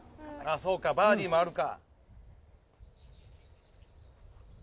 そうかバーディーもあるか。